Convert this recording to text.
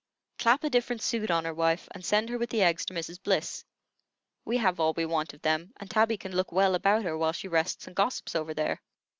"Clap a different suit on her, wife, and send her with the eggs to Mrs. Bliss. We have all we want of them, and Tabby can look well about her, while she rests and gossips over there.